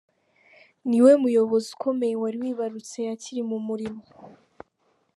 Ni we muyobozi ukomeye wari wibarutse akiri mu mirimo.